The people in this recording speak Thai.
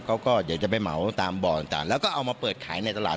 เขาก็เดี๋ยวจะไปเหมาตามบ่อต่างแล้วก็เอามาเปิดขายในตลาด